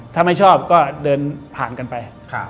ถ้าไม่ชอบก็เดินผ่านกันไป